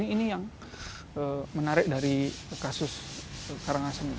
ini yang menarik dari kasus karangasem